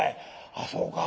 「あそうか」。